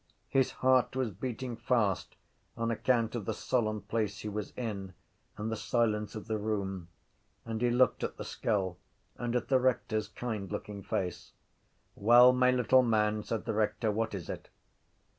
His heart was beating fast on account of the solemn place he was in and the silence of the room: and he looked at the skull and at the rector’s kind looking face. —Well, my little man, said the rector, what is it?